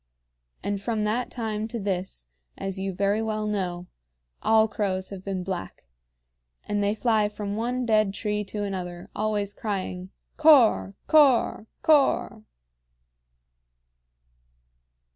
And from that time to this, as you very well know, all crows have been black; and they fly from one dead tree to another, always crying, "Cor cor cor!"